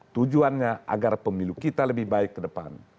tujuannya agar pemilu kita lebih baik ke depan